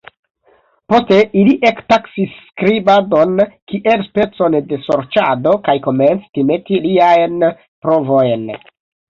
Poste, ili ektaksis skribadon kiel specon de sorĉado kaj komenci timeti liajn provojn.